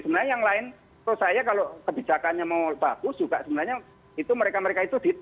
sebenarnya yang lain menurut saya kalau kebijakannya mau bagus juga sebenarnya itu mereka mereka itu di